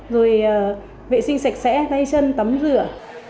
rồi vệ sinh sạch sẽ tay chân tắm rửa